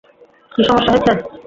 কী সমস্যা হয়েছে?